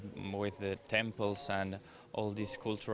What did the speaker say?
ditambah dengan tempel dan semua kultur